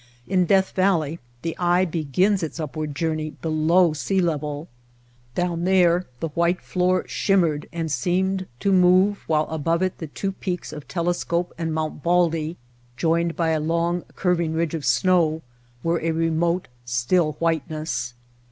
In Death Valley the eye begins its upward journey below sea level. Down there the white floor shimmered and seemed to move while above it the two peaks of Telescope and Mount Baldy, joined by a long curving ridge of snow, were a remote, still whiteness.